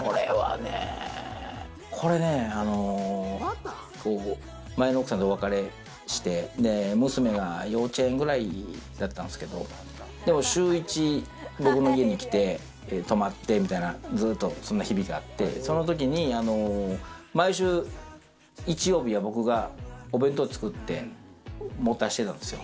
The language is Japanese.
これはね、前の奥さんとお別れして、娘が幼稚園くらいだったんですけど、でも週１、僕の家に来て泊まってみたいな、ずっとそんな日々があって、その時に毎週日曜日は僕がお弁当を作って持たせてたんですよ。